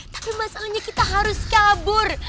tapi masalahnya kita harus kabur